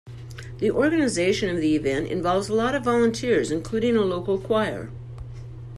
The organization of the event involves a lot of volunteers, including a local choir.